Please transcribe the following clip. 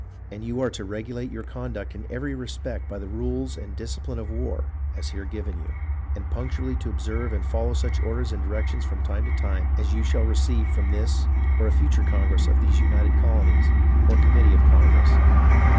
And you are to regulate your conduct in every respect by the rules and discipline of war (as here given you) , and punctually to observe and follow such orders and directions from time to time as you shall receive from this or a future Congress of these United Colonies, or committee of Congress.